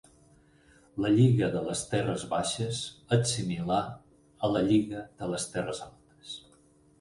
La lliga de les terres baixes és similar a la lliga de les terres altes.